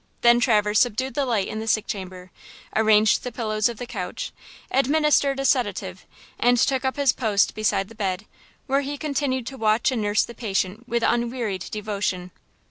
Then Traverse subdued the light in the sick chamber, arranged the pillows of the couch, administered a sedative and took up his post beside the bed, where he continued to watch and nurse the patient with unwearied devotion.